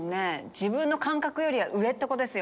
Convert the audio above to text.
自分の感覚よりは上ってことですよね。